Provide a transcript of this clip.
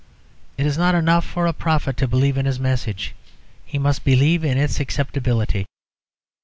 It is not enough for a prophet to believe in his message; he must believe in its acceptability.